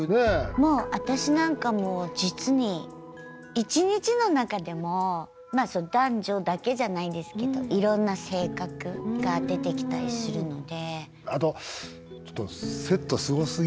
もう私なんかも実に一日の中でも男女だけじゃないですけどいろんな性格が出てきたりするので。